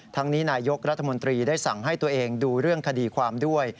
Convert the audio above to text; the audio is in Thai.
นี้นายกรัฐมนตรีได้สั่งให้ตัวเองดูเรื่องคดีความด้วย